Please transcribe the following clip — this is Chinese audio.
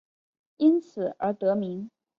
因此而得名。